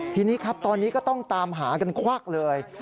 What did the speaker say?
ทีนี้ครับตอนนี้ก็ต้องตามหากันควักเลย